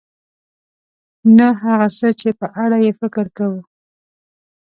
نه هغه څه چې په اړه یې فکر کوو .